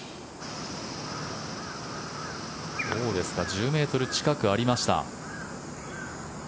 どうですか１０ｍ近くありました。